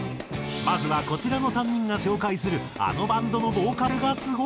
まずはこちらの３人が紹介するあのバンドのボーカルがすごい！